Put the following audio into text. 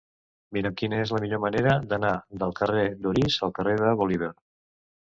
Mira'm quina és la millor manera d'anar del carrer d'Orís al carrer de Bolívar.